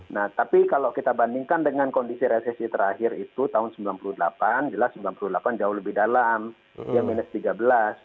nah tapi kalau kita bandingkan dengan kondisi resesi terakhir itu tahun seribu sembilan ratus sembilan puluh delapan jelas sembilan puluh delapan jauh lebih dalam ya minus tiga belas